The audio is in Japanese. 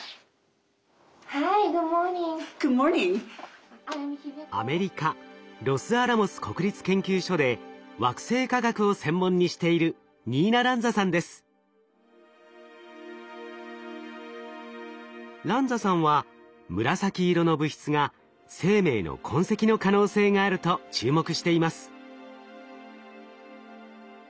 ＨｉＧｏｏｄｍｏｒｎｉｎｇ．Ｇｏｏｄｍｏｒｎｉｎｇ．アメリカロスアラモス国立研究所で惑星科学を専門にしているランザさんは紫色の物質が生命の痕跡の可能性があると注目しています。